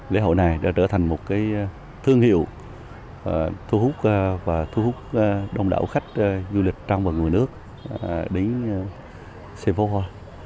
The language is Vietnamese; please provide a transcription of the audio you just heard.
lễ hội này đã trở thành một thương hiệu thu hút và thu hút đông đảo khách du lịch trong và ngoài nước đến sân phố hoa